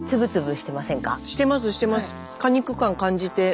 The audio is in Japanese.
してますしてます。